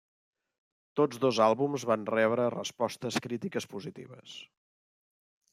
Tots dos àlbums van rebre respostes crítiques positives.